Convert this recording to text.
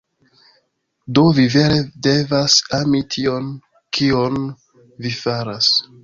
Do vi vere devas ami tion, kion vi faras.